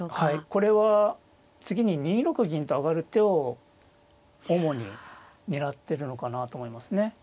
これは次に２六銀と上がる手を主に狙ってるのかなと思いますね。